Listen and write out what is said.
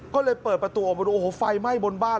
ก็เลยเปิดประตูออกมาดูโอ้โหไฟไหม้บนบ้าน